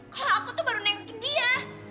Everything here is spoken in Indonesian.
kalau aku tuh baru nengokin dia